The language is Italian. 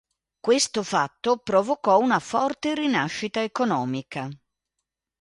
Questo fatto provocò una forte rinascita economica.